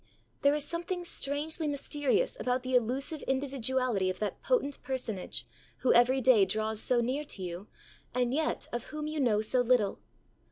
There is something strangely mysterious about the elusive individuality of that potent personage who every day draws so near to you, and yet of whom you know so little.